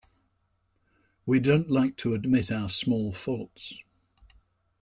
We don't like to admit our small faults.